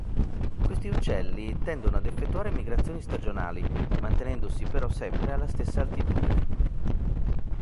Questi uccelli tendono ad effettuare migrazioni stagionali, mantenendosi però sempre alla stessa altitudine.